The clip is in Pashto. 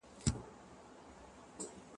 زه اوږده وخت کتابتون ته ځم.